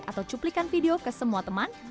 atau cuplikan video ke semua teman